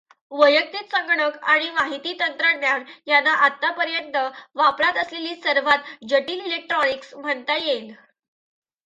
वैयक्तिक संगणक आणि माहिती तंत्रज्ञान यांना आतापर्यंत वापरात असलेले सर्वात जटिल इलेक्ट्रॉनिक्स म्हणता येईल.